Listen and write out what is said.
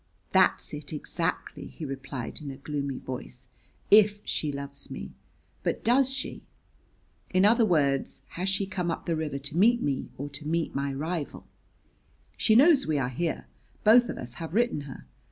"That's it exactly," he replied in a gloomy voice, "if she loves me! But does she? In other words, has she come up the river to meet me or to meet my rival? She knows we are here. Both of us have written her.